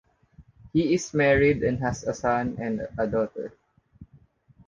He is married and has a son and a daughter.